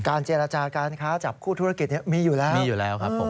เจรจาการค้าจับคู่ธุรกิจมีอยู่แล้วมีอยู่แล้วครับผม